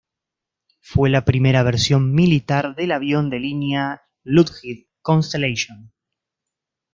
Fue la primera versión militar del avión de línea Lockheed Constellation.